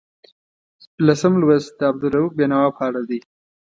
لسم لوست د عبدالرؤف بېنوا په اړه دی.